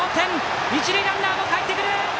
一塁ランナーもかえってくる！